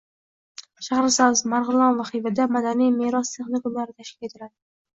Shahrisabz, Marg‘ilon va Xivada Madaniy meros texnikumlari tashkil etiladi